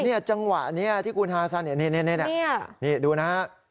จังหวะนี้ที่คุณฮาซันนี่ดูนะฮะ